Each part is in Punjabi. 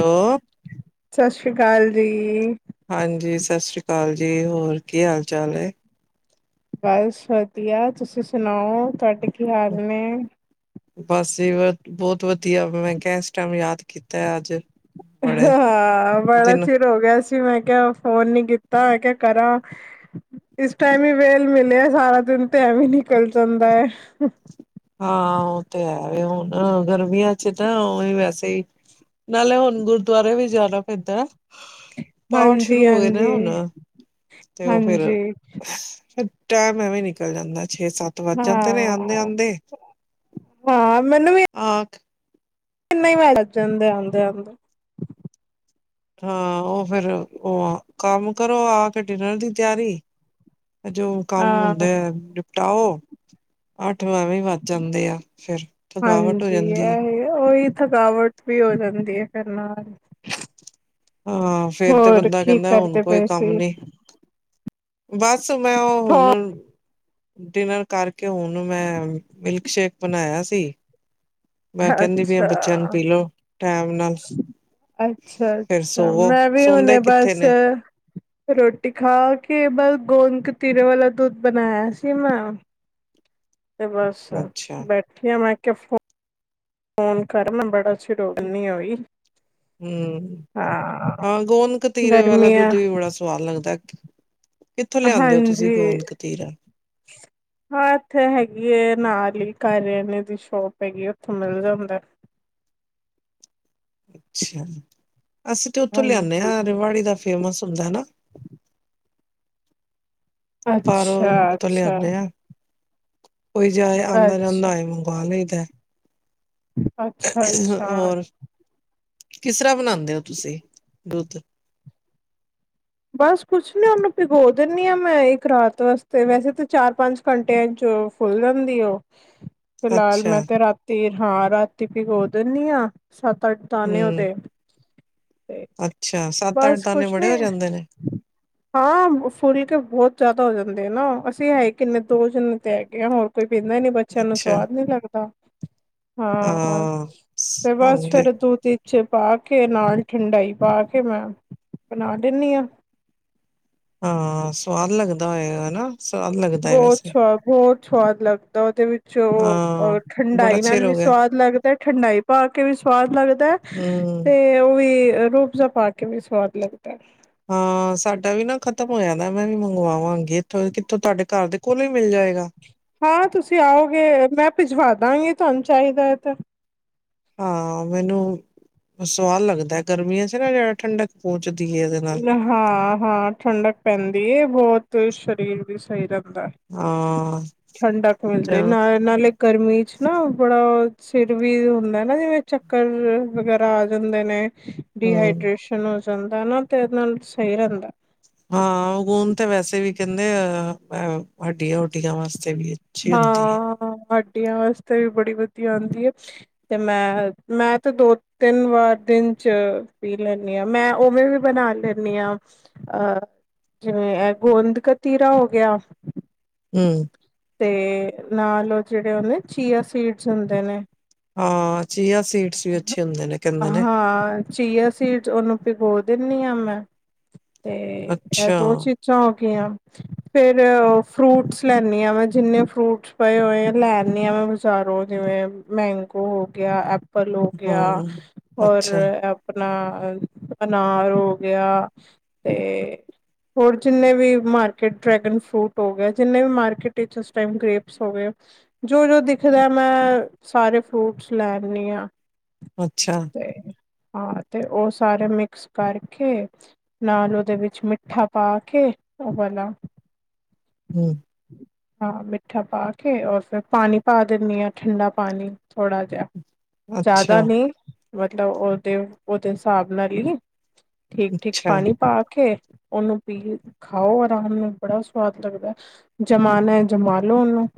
ਹੈਲੋ। ਸਤਿ ਸ੍ਰੀ ਅਕਾਲ ਜੀ। ਹਾਂਜੀ ਸਤਿ ਸ੍ਰੀ ਅਕਾਲ ਜੀ, ਹੋਰ ਕੀ ਹਾਲ ਚਾਲ ਹੈ। ਬਸ ਵਧੀਆ, ਤੁਸੀਂ ਸੁਣਾਓ ਤੁਹਾਡੇ ਕੀ ਹਾਲ ਨੇ। ਬਸ ਜੀ ਬ ਬਹੁਤ ਵਧੀਆ, ਮੈਂ ਕਿਹਾ ਇਸ ਟਾਈਮ ਯਾਦ ਕੀਤਾ ਅੱਜ। ਬੜੇ ਹਾਂ ਬੜਾ ਦਿਨ ਚਿਰ ਹੋ ਗਿਆ ਸੀ ਮੈਂ ਕਿਹਿਆ ਫੋਨ ਨੀ ਕੀਤਾ, ਮੈ ਕਿਹਾ ਕਰਾਂ ਇਸ ਟਾਈਮ ਹੀ ਵੇਲ ਮਿਲਿਆ ਸਾਰਾ ਦਿਨ ਤੇ ਐਵੇ ਹੀ ਨਿਕਲ ਜਾਂਦਾ ਹੈ। ਹਾਂ ਉਹ ਤੇ ਹੈ ਵੀ ਹੁਣ ਅਗਰ ਅੱਛੀ ਤਰਹ ਤਾਂ, ਔ ਹੀ ਵੈਸੇ ਵੀ - ਨਾਲੇ ਹੁਣ ਗੁਰਦੁਆਰੇ ਵੀ ਜਾਣਾ ਪੈਂਦਾ। ਪਾਠ ਹਾਂਜੀ ਸ਼ੁਰੂ ਹੋ ਗਏ ਨਾ ਹਾਂਜੀ ਹੁਣ ਤੇ ਉਹ ਫਿਰ ਹਾਂਜੀ ਟਾਈਮ ਐਵੇਂ ਨਿਕਲ ਜਾਂਦਾ। ਛੇ ਸੱਤ ਵੱਜ ਜਾਂ ਤੇ ਨੇ ਆਉਂਦੇ ਹਾਂ ਆਉਂਦੇ ਹਾਂ ਮੈਨੂੰ ਵੀ [unintelligible] ਕਿੰਨੇ ਵੱਜ ਜਾਂਦੇ, ਆਉਂਦੇ ਆਉਂਦੇ। ਹਾਂ ਉਹ ਫੇਰ ਉਹ ਕੰਮ ਕਰੋ ਆ ਕੇ ਡਿਨਰ ਦੀ ਤਿਆਰੀ ਜੋ ਕੰਮ ਹਾਂ ਹੁੰਦੇ ਆ ਟਾਔ ਅੱਠ ਐਵੇਂ ਵੱਜ ਜਾਂਦੇ ਆ ਫਿਰ ਥਕਾਵਟ ਹੋ ਹਾਂਜੀ ਜਾਂਦੀ ਹੈ ਇਹ ਹੀ ਔਹੀ ਥਕਾਵਟ ਵੀ ਹੋ ਜਾਂਦੀ ਹੈ। ਕਰਨਾਲ। ਹਾਂ, ਫੇਰ ਤੇ ਬੰਦਾ ਕਹਿੰਦਾ ਹੁਣ ਕੋਈ ਪਏ ਕੰਮ ਸੀ ਨੀ। ਬਸ। ਬੱਸ ਮੈਂ ਉਹ ਹੁਣ ਹਾਂ ਡਿਨਰ ਕਰਕੇ ਹੁਣ ਮੈਂ ਮਿਲਕਸ਼ੇਕ ਬਣਾਇਆ ਸੀ। ਮੈਂ ਕਹਿੰਦੀ ਵੀ ਅੱਛਾ, ਬੱਚਿਆਂ ਨੂੰ ਪੀ ਲਓ ਟੈਮ ਨਾਲ ਅੱਛਾ, ਫਿਰ ਅੱਛਾ ਸੋਵੋ ਮੈਂ ਵੀ ਸੌਦੇ ਹੁਣੇੇ ਕਿੱਥੇ ਬਸ ਨੇ ਰੋਟੀ ਖਾ ਕੇ ਬਸ ਗੋੰਦ ਕਤੀਰੇ ਵਾਲਾ ਦੁੱਧ ਬਣਾਇਆ ਸੀ ਮੈਂ ਤੇ ਬਸ ਅੱਛਾ ਬੈਠੀ ਆ ਮੈਂ ਫੋਨ ਕਰ ਨੰਬਰ ਹੂੰ, ਹਾਂ ਗੋਂਦ ਕਤੀਰੇ ਵਾਲਾ ਗਰਮੀਆਂ ਦੁੱਧ ਵੀ ਬੜਾ ਸਵਾਦ ਲੱਗਦਾ। ਕਿੱਥੋਂ ਲਿਆਂਦੇ ਹੋ ਤੁਸੀਂ ਹਾਂਜੀ, ਗੋਂਦ ਕਤੀਰਾ ਹਾਂ ਇੱਥੇ ਹੈਗੀ ਹੈ ਨਾਲ ਈ ਕਰਿਆਨੇ ਦੀ ਸ਼ੋਪ ਹੈਗੀ ਹੈ, ਉਥੋਂ ਮਿਲ ਜਾਂਦਾ ਅੱਛਾ, ਅਸੀਂ ਤੇ ਉੱਥੋਂ ਲਿਆਂਦੇ ਹਾਂਜੀ ਹਾਂ ਰਿਵਾੜੀ ਦਾ ਫੇਮਸ ਹੁੰਦਾ ਨਾ ਅੱਛਾ, ਬਾਹਰੋਂ ਉੱਥੋਂ ਅੱਛਾ ਲਿਆਦੇ ਹਾਂ ਕੋਈ ਜਾਏ ਆਉਂਦਾ ਜਾਂਦਾ ਆਏ ਮੰਗਵਾ ਲਈਦਾ। [unintelligible] ਅੱਛਾ-ਅੱਛਾ ਹੋਰ ਕਿਸ ਤਰ੍ਹਾਂ ਬਣਾਉਂਦੇ ਹੋ ਤੁਸੀਂ ਦੁੱਧ ਬਸ ਕੁਛ ਨੀ ਉਹਨੂੰ ਭਿਗੋ ਦਿੰਨੀ ਆ ਮੈਂ ਇੱਕ ਰਾਤ ਵਾਸਤੇ ਵੈਸੇ ਤਾਂ ਚਾਰ ਪੰਜ ਘੰਟਿਆਂ ਚ ਫੁੱਲ ਜਾਂਦੀ ਉਹ ਫਿਲਹਾਲ ਅੱਛਾ ਮੈਂ ਤੇ ਰਾਤੀ ਹਾਂ ਰਾਤੀ ਭਿਗੋ ਦੇਨੀ ਆ ਸੱਤ ਅੱਠ ਦਾਨੇ ਹਮ ਉਹਦੇ ਤੇ ਅੱਛਾ ਸੱਤ ਅੱਠ ਬਸ ਦਾਨੇ ਕੁਛ ਬੜੇ ਨੀ ਹੋ ਜਾਂਦੇ ਨੇ ਹਾਂ, ਫੁਲ ਕੇ ਬਹੁਤ ਜ਼ਿਆਦਾ ਹੋ ਜਾਂਦੇ। ਨਾ ਅਸੀਂ ਹੈ ਕਿੰਨੇ ਦੋ ਜਣੇ ਤੇ ਹੈਗੇ ਆ ਹੋਰ ਕੋਈ ਪੀਂਦਾ ਨੀ ਬੱਚਿਆਂ ਨੂੰ ਅੱਛਾ ਸਵਾਦ ਨੀ ਲੱਗਦਾ। ਹਾਂ ਤੇ ਬਸ ਫੇਰ ਦੋ ਤਿਨ ਚੇ ਪਾ ਕੇ ਨਾਲ ਠੰਡਾਈ ਪਾ ਕੇ ਮੈਂ ਬਣਾ ਦਿੰਦੀ ਆਂ। [inaudible] ਹਾਂ, ਸਵਾਦ ਲੱਗਦਾ ਹੋਏਗਾ ਨਾ। ਸਵਾਦ ਲੱਗਦਾ ਹੈ ਬਹੁਤ ਵੈਸੇ ਸਵਾਦ,। ਹੋਰ ਸੁਵਾਦ ਲੱਗਦਾ, ਉਹਦੇ ਵਿੱਚ। ਹਾਂ ਜੋ ਬੜਾ ਠੰਡਾਈ ਨਾਲ ਚਿਰ ਵੀ ਹੋ ਗਿਆ ਸਵਾਦ ਲੱਗਦਾ, ਠੰਡਾਈ ਪਾ ਕੇ ਵੀ ਸਵਾਦ ਲੱਗਦੈ ਹਮ ਤੇ ਉਹ ਵੀ ਰੂਹ ਅਫਜਾ ਪਾ ਕੇ। ਵੀ ਸਵਾਦ ਲੱਗਦਾ ਹਾਂ, ਸਾਡਾ ਵੀ ਨਾ ਖਤਮ ਹੋ ਜਾਂਦਾ, ਮੈਂ ਵੀ ਮੰਗਵਾਵਾਂਗੀ ਇੱਥੋਂ ਕਿੱਥੋਂ, ਤੁਹਾਡੇ ਘਰ ਦੇ ਕੋਲ ਵੀ ਮਿਲ ਜਾਏਗਾ। ਹਾਂ, ਤੁਸੀਂ ਆਓਗੇ ਮੈਂ ਭਿਜਵਾਦਾਂਗੀ ਤੁਹਾਨੂੰ ਚਾਹੀਦਾ ਹੈ ਤੇ। ਹਾਂ, ਮੈਨੂੰ ਸਵਾਦ ਲੱਗਦਾ ਗਰਮੀਆਂ ਚ ਨਾ ਜਿਹੜਾ ਠੰਡਕ ਪ ਹਾਂ, ਹਾਂ ਠੰਡਕ ਪੈਂਦੀ ਹੈ। ਬਹੁਤ ਸਰੀਰ ਵੀ ਸਹੀ ਰ ਹ ਹਾਂ ਠੰਡਕ ਮਿਲਦੇ ਤੇ ਨਾਲ ਨਾਲੇ ਗਰਮੀ ਚ ਨਾ ਬੜਾ ਸਿਰ ਵੀ ਹੁੰਦਾ ਨਾ, ਜਿਵੇਂ ਚੱਕਰ ਵਗੈਰਾ ਆ ਜਾਂਦੇ ਨੇ। ਹਮ ਡੀਹਾਈਡ੍ਰੇਸ਼ਨ। ਸਤਾਨਤ ਤੇਰੇ ਨਾਲ ਸਹੀ ਰਹਿੰਦਾ। ਹਾਂ, ਉਗੂਨ ਤੇ ਵੈਸੇ ਵੀ ਕਹਿੰਦੇ ਆਂ, ਹਡੀੀਆਂਟੀਆਂ ਵਾਸਤੇ। ਵੀ ਅੱਛੀ ਹੁੰਦੀ ਹੈ ਹਾਂ। ਰੁਟੀਆਂ ਵਾਸਤੇ ਵੀ ਬੜੀ ਵਧੀਆ ਆਉਂਦੀ ਹੈ, ਤੇ ਮੈਂ ਮੈਂ ਤੇ ਦੋ ਤਿੰਨ ਵਾਰ ਦਿਨ ਚ ਪੀ ਲੈਂਦੀ ਆਂ, ਮੈਂ ਉਵੇਂ ਵੀ ਬਣਾ ਲੈਂਦੀ ਹਾਂ। ਅਹ ਜਿਵੇਂ ਗੋਂਦ ਕਤੀਰਾ ਹੋ ਗਿਆ। ਹਮ ਤੇ ਨਾਲ, ਉਹ ਜਿਹੜੇ ਉਹਦੇ ਚੀਆ ਸੀਡਸ ਹੁੰਦੇ ਨੇ। ਹਾਂ, ਚੀਆ ਸੀਟਸ ਵੀ ਅੱਛੇ ਹੁੰਦੇ ਨੇ ਕਹਿੰਦੇ ਨੇ। ਫੇਰ ਹੋਰ ਦਿੰਦੀ ਆ ਮੈਂ। ਤੇ ਇਹ ਅੱਛਾ ਦੋ ਚੀਜ਼ਾਂ। ਫਿਰ ਫਰੂਟਸ ਲੈਦੀ ਹਾਂ ਮੈਂ। ਜਿੰਨੇ ਫਰੂਟਸ ਪਏ ਹੋਏ, ਲੈਦੀ ਹਾਂ ਮੈਂ ਬਾਜ਼ਾਰੋਂ ਜਿਵੇਂ ਮੈਂਗੋ ਹੋ ਗਿਆ ਐਪ ਲ ਹੋ ਗਿਆ ਹਮ ਔਰ ਅੱਛਾ ਆਪ ਆਪਣਾ ਅਨਾਰ ਹੋ ਗਿਆ, ਤੇ ਹੋਰ ਜਿੰਨੇ ਵੀ ਮਾਰਕੀਟ ਡਰੈਗਨ ਫਰੂਟ ਹੋ ਗਿਆ, ਜਿੰਨੇ ਵੀ ਮਾਰਕੀਟ ਟਾਈਮ ਗ੍ਰੇਪਸ ਹੋ ਗਏ, ਜੋ ਜੋ ਦਿਖਦਾ ਮੈਂ ਸਾਰੇ ਫਰੂਟਸ ਲੈਨੀਂ ਹਾਂ। ਅੱਛਾ! ਤੇ ਹਾਂ, ਤੇ ਉਹ ਸਾਰੇ ਮਿਕਸ ਕਰਕੇ, ਨਾਲ ਉਹਦੇ ਵਿੱਚ ਮਿੱਠਾ ਪਾ ਕੇ, ਉਹ ਵਾਲਾ ਹਮ। ਹਾਂ ਮਿੱਠਾ ਪਾ ਕੇ, ਫਿਰ ਪਾਣੀ ਪਾ ਦਿੱਨੀ ਆਂ ਠੰਡਾ ਪਾਣੀ। ਥੋੜਾ ਜਿਹਾ, ਜ਼ਿਆਦਾ ਅੱਛਾ ਨਹੀਂ। ਮਤਲਬ ਉਹਦੇ, ਉਹਦੇ ਹਿਸਾਬ ਨਾਲ ਹੀ। ਠੀਕ, ਠੀਕ ਅੱਛਾ ਪਾਣੀ ਪਾ ਕੇ। ਉਹਨੂੰ ਪੀ ਖਾਓ, ਆਰਾਮ ਨਾਲ ਬੜਾ ਸਵਾਦ ਲੱਗਦਾ। ਮਾਨਾ ਹੈ ਜਮਾਨ ਖ ਲੋ ਉਹਨੂੰ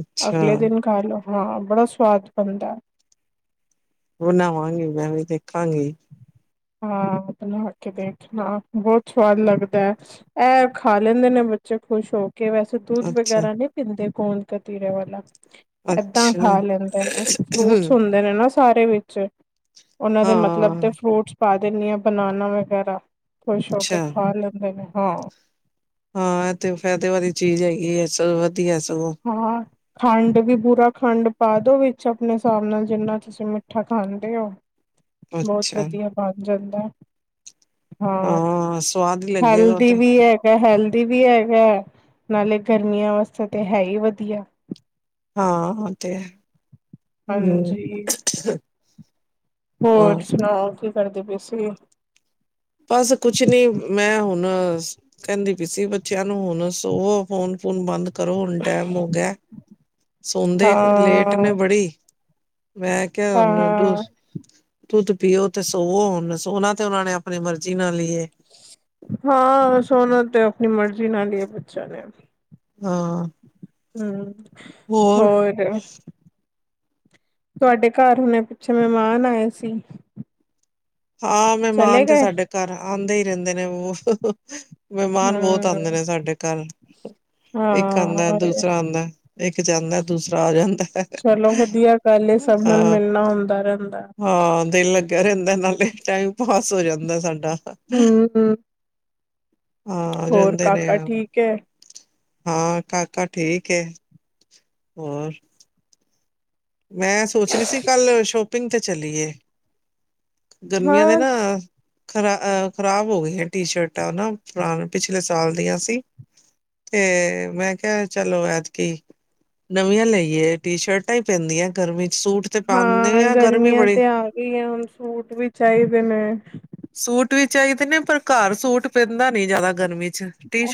ਅੱਛਾ ਅਗਲੇ ਦਿਨ ਖਾ ਲੋ ਹਾਂ ਬੜਾ ਸਵਾਦ ਬਣਦਾ ਖ਼ਾ ਗੇ ਹਾਂ ਬਣਾ ਕੇ ਦੇਖਣਾ ਬਹੁਤ ਸਵਾਦ ਲੱਗਦਾ ਹੈ ਇਹ ਖਾ ਲੈਂਦੇ ਨੇ ਬੱਚੇ ਖੁਸ਼ ਹੋ ਕੇ ਕੇ ਵੈਸੇ ਦੂਧ ਅੱਛਾ ਵਗੈਰਾ ਨਹੀਂ ਪੀਂਦੇ ਗੋਂਦਕਤੀਰੇ ਵਾਲਾ ਏਦਾਂ ਅੱਛਾ ਖਾ ਲੈਂਦੇ ਨੇ ਫਰੂਟਸ ਹੁੰਦੇ ਨੇ ਨਾ ਓ ਸਾਰੇ ਵਿੱਚ ਉਹਨਾਂ ਦੇ ਮਤਲਬ ਹਾਂ ਤੇ ਫਰੂਟਸ ਪਾਂ ਦੇਣੀ ਹੈ ਫਰੁਟ ਵਗੈਰਾ ਖੁਸ਼ ਹੋ ਕੇ ਅੱਛਾ ਖਾ ਲੈਂਦੇ ਨੇ। ਹਾਂ। ਹਾਂ ਇਹ ਤੇ ਫਾਇਦੇ ਵਾਲੀ ਚੀਜ਼ ਹੈਗੀ ਇਸ ਚ ਵਧੀਆ ਸਗੋਂ। ਹਾਂ ਖੰਡ ਵੀ ਭੁਰਾ ਖੰਡ ਪਾ ਦੋ ਵਿੱਚ ਆਪਣੇ ਹਿਸਾਬ ਨਾਲ ਜਿੰਨਾ ਤੁਸੀਂ ਮਿੱਠਾ ਖਾਂਦੇ ਹੋ। ਬੋਹੁਤ ਅੱਛਾ ਵਦੀਆ [inaudible] ਹਾਂ ਸਵਾਦ ਹੀ ਲੱਗੇਗਾ ਉਹ ਹੈਲਦੀ ਤੇ ਵੀ ਹੈਗਾ। ਹੈਲਥੀ ਵੀ ਹੈਗਾ ਹੈ ਨਾਲੇ ਗਰਮੀਆਂ ਵਾਸਤੇ ਤਾਂ ਹੈ ਹੀ ਵਧੀਆ। ਹਾਂ ਓ ਤੇ। ਹਾਂਜੀ [unintelligible] ਹਾਂ ਹੋਰ ਸੁਣਾਓ ਕੀ ਕਰਦੇ ਪਏ ਓ। ਛੇ। ਬਸ ਕੁਛ ਨੀ ਮੈਂ ਹੁਣ ਸ ਕਹਿੰਦੀ ਪਈ ਸੀ ਬੱਚਿਆਂ ਨੂੰ ਹੁਣ ਸੋਵੋ ਫੋਨ ਫੁਨ ਬੰਦ ਕਰੋ। ਕਰੋ ਹੁਣ ਟਾਈਮ ਹੋ ਗਿਆ ਹੈ। ਸੋਂਦੇ ਲੇਟ ਹਾਂ ਨੇ ਬੜੀ। ਮੈਂ ਕਿਹਾ ਹੁਣ ਦੁ ਹਾਂ ਦੁੱਧ ਪੀਓ ਤੇ ਸੋਵੋ ਹੁਣ ਸੋਣਾ ਤੇ ਉਹਨਾਂ ਨੇ ਆਪਣੀ ਮਰਜ਼ੀ ਨਾਲ ਹੈ। ਹਾਂ ਸੌਣਾ ਤੇ ਆਪਣੀ ਮਰਜ਼ੀ ਨਾਲ ਹੀ ਏ ਬੱਚਿਆਂ ਨੇ। ਹਾਂ। ਹਮ। ਹੋਰ। ਤੁਹਾਡੇ ਘਰ ਹੁਣੇ ਪਿੱਛੇ ਮਹਿਮਾਨ ਆਏ ਸੀ। ਹਾਂ ਚਲੇ ਮਹਿਮਾਨ ਤੇ ਗਏ ਸਾਡੇ ਘਰ ਆ ਆਉਂਦੇ ਹੀ ਰਹਿੰਦੇ ਨੇ ਉਹ ਹ ਹ। ਮਹਿਮਾਨ ਬਹੁਤ ਆਉਂਦੇ ਹਮ ਨੇ ਸਾਡੇ ਘਰ ਇੱਕ ਆਉਂਦਾ ਹਾਂ ਦੂਸਰਾ ਆਉਂਦਾ ਇੱਕ ਜਾਂਦਾ ਦੂਸਰਾ ਆ ਜਾਂਦਾ ਚਲੋ ਹ-ਹ-ਹ ਵਧੀਆ ਗੱਲ ਏ, ਸਭ ਨਾਲ ਹਾਂ, ਮਿਲਣਾ ਹੁੰਦਾ ਰਹਿੰਦਾ ਹਾਂ ਦਿਲ ਕਹਿ ਰਹਿੰਦਾ ਏ। ਟੈਮ ਪਾਸ ਹੋ ਜਾਂਦਾ ਸਾਡਾ ਹਮ ਹਾਂ ਹੋਰ ਰਹਿੰਦੇ ਨੇ ਕਾਕਾ ਠੀਕ ਐ ਹਾਂ, ਕਾਕਾ ਠੀਕ ਹੈ ਹੋਰ ਮੈਂ ਸੋਚ ਰਹੀ ਸੀ ਕੱਲ ਸ਼ੋਪਿੰਗ ਤੇ ਚਲੀਏ ਗਰਮੀਆਂ ਦੇ ਹਾਂ ਨਾ ਖਰਾ ਖ਼ਰਾਬ ਹੋ ਗਈਆਂ ਟੀ- ਸ਼ਰਟਾਂ ਨਾ ਪੁਰਾ ਪਿਛਲੇ ਸਾਲ ਦੀਆਂ ਸੀ ਤੇ ਮੈਂ ਕਿਹਾ ਚਲੋ ਐਤਕੀ ਨਵੀਆਂ ਲਈਏ ਟੀ- ਸ਼ਰਟਾਂ ਹੀ ਪੈਂਦੀਆਂ ਗਰਮੀ ਚ ਸੂਟ ਤੇ ਪਾਉਂਦੇ ਹਾਂ ਆ ਗਰਮੀ ਗਰਮੀਆਂ ਬੜੀ ਤੇ ਆ ਗਈਆਂ ਹੁਣ ਸੂਟ ਵੀ ਚਾਹੀਦੇ ਨੇ। ਸੂਟ ਵੀ ਚਾਹੀਦੇ ਨੇ ਪਰ ਘਰ ਸੂਟ ਪੇ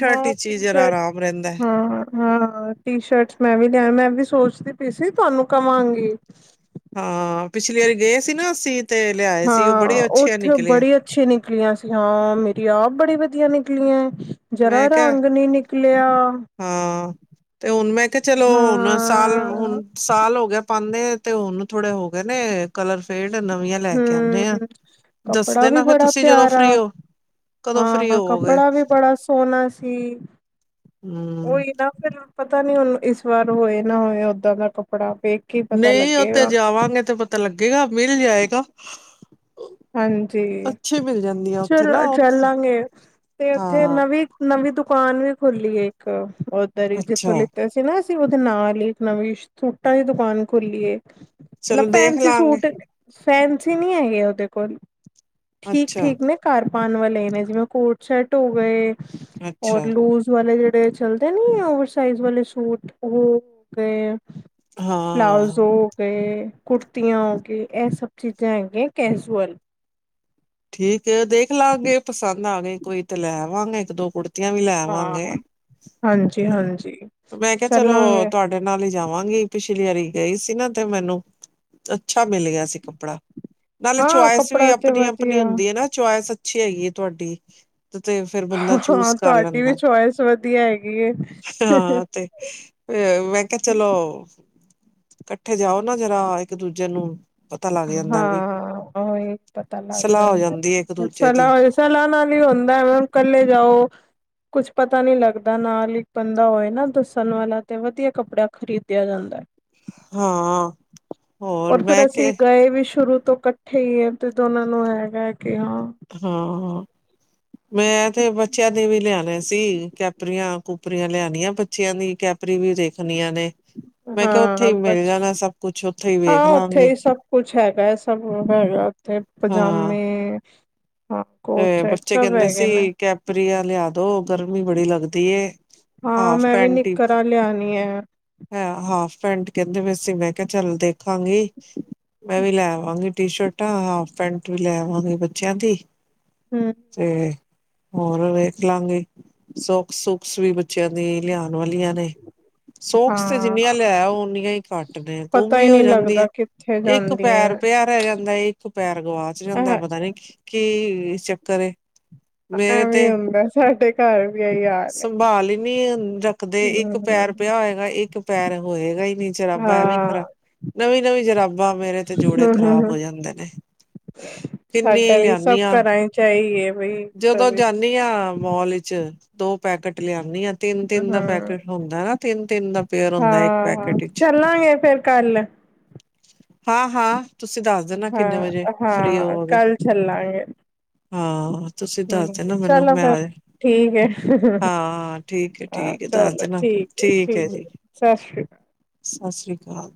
ਹਾਂ ਵਿਚ ਹੀ ਟੀ- ਜਰਾ ਸ਼ਰਟ ਆਰਾਮ ਰਹਿੰਦਾ ਹਾਂ ਹਾਂ ਟੀ- ਸ਼ਰਟਸ ਮੈਂ ਵੀ ਲਿਆ ਮੈਂ ਵੀ ਸੋਚ ਪੀ ਸੀ ਤੁਹਾਨੂੰ ਕਵਾਂਗੀ ਹਾਂ, ਪਿਛਲੀ ਵਾਰੀ ਗਏ ਸੀ ਨਾ ਅਸੀਂ ਤੇ ਲਿਆਏ ਸੀ ਉਹ ਹਾਂ, ਬੜੇ ਅੱਛੇ ਉੱਥੇ ਨਿਕਲੇ ਬੜੀ ਅੱਛੀ ਨਿਕਲੀਆਂ ਸੀ ਹਾਂ ਮੇਰੀ ਆਪ ਬੜੀ ਵਧੀਆ ਨਿਕ ਪੁੱਕਲੀਆਂ ਮੈਂ ਕਿਹਾ ਹਾਂ ਤੇ ਹੁਣ ਮੈਂ ਕਿਹਾ ਚਲੋ ਹੁਣ ਸਾਲ ਹਾਂ ਹੁਣ ਸਾਲ ਹੋ ਗਿਆ। ਪਾਂਦੇ ਆ ਤੇ ਉਹਨੂੰ ਥੋੜੇ ਹੋ ਗਏ ਨੇ ਕਲਰ ਫੇਡ ਨਵੀਆਂ ਲੈ ਕੇ ਆਂਦੇ ਆ ਹਮ ਕੱਪੜਾ ਦੱਸਦੇ ਵੀ ਨਾ ਫਿਰ ਬੜਾ ਤੁਸੀਂ ਜਦੋਂ ਪਿਆਰਾ ਫਰੀ ਹੋ। ਕਦੋਂ ਫਰੀ ਹੋਵੋਗੇ? ਸੋਨਾ ਸੀ। ਹੂੰ, ਉਹੀ ਨਾ ਫਿਰ ਪਤਾ ਨੀ ਹੁਣ ਇਸ ਵਾਰ ਹੋਏ ਨਾ ਹੋਏ, ਓਦਾਂ ਦਾ ਕੱਪੜਾ। ਵੇਖ ਕੇ ਪਤਾ ਨਹੀਂ ਉੱਥੇ ਲੱਗੇਗਾ ਜਾਵਾਂਗੇ ਤੇ ਪਤਾ ਲੱਗੇਗਾ। ਮਿਲ ਜਾਏਗਾ। ਹਾਂਜੀ, ਅੱਛੀ ਮਿਲ ਜਾਂਦੀ ਆ ਉੱਥੇ ਚਲ ਨਾ ਉੱਥੇ ਚੱਲਾਂਗੇ ਤੇ ਉੱਥੇ ਹਾਂ ਨਵੀਂ- ਨਵੀਂ ਦੁ ਦੁਕਾਨ ਵੀ ਖੁੱਲ੍ਹੀ ਹੈ ਇੱਕ ਓਧਰੀ ਅੱਛਾ ਜਿੱਥੋਂ ਲਿਤੇ ਸੀ ਨਾ ਉਹਦੇ ਨਾਲ ਹੀ ਇੱਕ ਨਵੀਂ ਸੂਟਾਂ ਦੀ ਦੁਕਾਨ ਖੁੱਲ੍ਹੀ ਏ ਮਤਲਬ ਚਲੋ ਦੇਖ ਫੈਂਨਸੀ ਲਾਂਗੇ ਸੂਟ ਫੈਨਸੀ ਨੀ ਹੈਗੇ ਉਹਦੇ ਕੋੱਲ ਠੀਕ ਅੱਛਾ ਠੀਕ ਮੈਂ ਕਰ ਪਾਨ ਵਾਲੇ ਨੇ ਜਿਵੇਂ ਕੋਟ ਸ਼ਰਟ ਹੋ ਗਏ ਔਰ ਅੱਛਾ ਲੂਜ ਵਾਲੇ ਜਿਹੜੇ ਚਲਦੇ ਨੀ ਓਵਰਸਾਈਜ਼ ਵਾਲੇ ਸੂਟ ਉਹ ਹੋ ਗਏ ਆ ਹਾਂ ਪਲਾਊਜ਼ੋ ਹੋ ਗਏ ਕੁਟੀਆ ਹੋ ਕੇ ਇਹ ਸਭ ਚੀਜ਼ਾਂ ਉਜਲ ਠੀਕ ਦੇਖ ਲਾਂਗੇ ਪਸੰਦ ਆ ਗਏ ਕੋਈ ਤ ਲੈ ਵਾਂਗ ਇੱਕ ਦੋ ਕੁੜਤ ਕਿਵੇਂ ਹਾਂ ਲੈਵਾਂਗੇ ਤੇ ਹਾਂਜੀ-ਹਾਂਜੀ ਮੈਂ ਕਿਹਾ ਚਲੋ ਚੱਲਾਂਗੇ ਤੁਹਾਡੇ ਨਾਲ ਹੀ ਆਵਾਂਗੀ ਪਿਛਲੀ ਵਾਰੀ ਗਈ ਸੀ ਨਾ ਤੇ ਮੈਨੂੰ ਅੱਛਾ ਮਿਲ ਗਿਆ ਸੀ ਕੱਪੜਾ ਨਾਲੇ ਹਾਂ ਚੁਆਇਸ ਵੀ ਕੱਪੜਾ ਤੇ ਆਪਣੀ ਆਪਣੀ ਵਧੀਆ ਹੁੰਦੀ ਹੈ ਨਾ ਚੋਇਸ ਪਿੱਛੇ ਆਈ ਤੁਹਾਡੀ ਤੇ ਫੇਰ ਬੰਦਾ ਹਾਂ ਚੂਸ ਕਰ ਤੁਹਾਡੀ ਵੀ ਲੈਂਦਾ ਚੋਇਸ ਵਧੀਆ ਹੈਗੀ ਹੈ ਹਾਂ ਤੇ [unintelligible] ਮੈਂ ਕਿਹਾ ਚਲੋ ਇਥੇ ਜਾਓ ਨਾ ਜਰਾ ਇੱਕ ਦੂਜੇ ਨੂੰ ਪਤਾ ਲੱਗ ਜਾਂਦਾ ਵੀ ਹਾਂ ਪਤਾ ਲੱਗ ਸਲਾਹ ਹੋ ਜਾਂਦੀ ਹੈ ਇੱਕ ਦੂਜੇ ਦੀ ਰਸਾਲਾ ਨਾਲ ਹੀ ਹੁੰਦਾ ਇਕੱਲੇ ਜਾਓ ਕੁਝ ਪਤਾ ਨਹੀਂ ਲੱਗਦਾ ਨਾਲ ਹੀ ਬੰਦਾ ਹੋਏ ਨਾ ਦੱਸਣ ਵਾਲਾ ਤੇ ਵਧੀਆ ਕੱਪੜਾ ਖਰੀਦਿਆ ਜਾਂਦਾ ਹਾਂ ਹੋਰ ਔਰ ਮੈਂ ਫਿਰ ਕਿ ਅਸੀਂ ਗਏ ਵੀ ਸ਼ੁਰੂ ਤੋਂ ਇਕੱਠੇ ਹੀ ਆ ਤੇ ਦੋਨਾਂ ਨੂੰ ਹੈਗਾ ਕਿ ਹਾਂ ਹਾਂ ਹਾਂ ਮੈਂ ਤੇ ਬੱਚਿਆਂ ਦੇ ਵੀ ਲਿਆਣਾ ਕੈਪਰੀ ਕੋਪਰੀਆਂ ਲਿਆਣੀਆਂ ਬੱਚਿਆਂ ਦੀ ਕੈਪਰੀ ਵੀ ਦੇਖਣੀਆਂ ਨੇ ਮੈਂ ਕਿਹਾ ਉੱਥੇ ਹੀ ਮਿਲ ਜਾਣਾ ਸਭ ਕੁਛ ਉੱਥੇ ਹੀ ਵੇਖ ਹਾਂ ਉਥੇ ਲਾਂਗੇ ਹੀ ਸਭ ਕੁਝ ਹੈਗਾ ਸਾਨੂੰ ਹੈਗਾ ਹਾਂ ਪਜਾਮੇ ਹਾਂ ਕੋਟ ਸੈਟ ਬੱਚੇ ਸਭ ਕਹਿੰਦੇ ਹੈਗੇ ਨੇ ਸੀ ਕੈਪਰੀ ਆ ਲਿਆ ਦੋ ਵੀ ਬੜੀ ਲੱਗਦੀ ਏ ਹਾਂ ਹਾਫ ਮੈਂ ਵੀ ਪੈਂਟ ਹੀ ਨਿਕਰ ਲਿਆਣੀ ਹੈ ਹੈ, ਹਾਫ ਪੈਂਟ ਕਹਿੰਦੇ ਵੈਸੀ ਮੈਂ ਕਿਹਾ ਚੱਲ ਦੇਖਾਂਗੀ ਮੈਂ ਵੀ ਲੈਵਾਂਗੀ ਟੀ ਸ਼ਰਟਾਂ ਹਾਫ ਪੈਂਟ ਵੀ ਲੈਵਾਂਗੀ ਬੱਚਿਆਂ ਦੀ ਹਮ ਇਹ ਹੁਣ ਵੇਖ ਲਾਂਗੇ ਸੋਕ ਸੂਕਸ ਵੀ ਬੱਚਿਆ ਦੀ ਲਿਆਣ ਵਾਲਿਆਂ ਨੇ ਸੋਖਸ ਤੇ ਜਿੰਨੀਆਂ ਹਾਂ ਲੈ ਉਓਨੀਆਂ ਹੀ ਘੱਟ ਨੇ ਪਤਾ ਗੁੰਮੀ ਹੀ ਹੋ ਨਹੀਂ ਜਾਂਦੀ ਲੱਗਦਾ ਹੈ। ਕਿੱਥੇ ਇੱਕ ਪੈਰ ਜਾਂਦੀਆਂ ਪਿਆ ਰਹਿ ਜਾਂਦਾ ਇੱਕ ਪੈਰ ਗਵਾਚ ਜਾਂਦਾ ਐ ਪਤਾ ਨੀ ਕੀ ਇਹ ਚੱਕ ਇਹ ਮੇਰੇ ਐਵੇਂ ਤੇ ਹੁੰਦਾ ਸਾਡੇ ਘਰ ਵੀ ਇਹੀ ਹਾਲ ਹੈ ਸੰਭਾਲ ਹੀ ਨੀ ਰੱਖਦੇ ਇੱਕ ਪੈਰ ਹਮ ਪਿਆ ਹੋਏਗਾ ਇੱਕ ਪੈਰ ਹੋਏਗਾ ਹੀ ਨੀ ਜਰਾਬਾਂ ਐਵੇਂ ਹਾਂ ਖਰਾ ਨਵੀਂ ਨਵੀਂ ਜਰਾਬਾਂ ਮੇਰੇ ਤੇ ਜੋੜੇ ਹਮ ਹਮ ਖ਼ਰਾਬ ਹਮ ਹੋ ਜਾਂਦੇ ਨੇ ਕਿੰਨੇ ਸਾਡਾ ਈ ਵੀ ਸਭ ਲਿਆਨੀ ਆ ਘਰਾਂ ਚ ਇਹੀ ਹੈ ਬਈ ਸਭ ਜਦੋਂ ਵਿੱਚ ਜਾਂਨੀ ਹਾਂ ਮੌਲ ਚ ਦੋ ਪੈਕੇਟ ਲਿਆਨੀ ਆ ਤਿੰਨ ਦਾ ਹਾਂ ਪੈਕੇਟ ਹੁੰਦਾ ਨਾ, ਤਿੰਨ ਤਿੰਨ ਦਾ ਪੇਅਰ ਹੁੰਦਾ ਇੱਕ ਹਾਂ ਹਾਂ ਪੈਕੇਟ ਵਿਚ ਚੱਲਾਂਗੇ ਫੇਰ ਕੱਲ ਹਾਂ ਹਾਂ ਹਮ ਹਮ ਹੋਵੋਗੇ ਕੱਲ ਚੱਲਾਂਗੇ ਹਾਂ ਤੁਸੀਂ ਦੱਸ ਹਮ ਦੇ ਨਾ ਮੈਨੂੰ ਚਲੋ ਮੈਂ ਫਿਰ ਆਜ ਠੀਕ ਹੈ ਹਾਂ ਠੀਕ ਹੈ ਠੀਕ ਹੈ ਦੱਸ ਦੇਣਾ ਫਿਰ ਠੀਕ ਹੈ ਜੀ ਸਸ ਸ੍ਰੀ ਕਾਲ